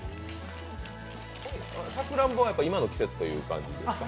さくらんぼは今の季節ということですか？